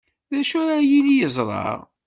D acu ara yili yeẓra?